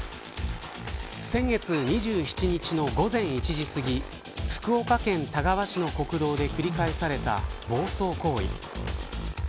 先月２７日の午前１時すぎ福岡県田川市の国道で繰り返された暴走行為。